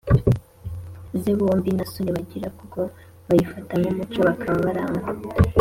ze. Bombi nta soni bagira kuko bayifata nk’umuco bakaba barangwa